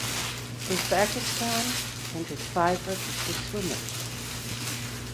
Uzbekistan entered five artistic swimmers.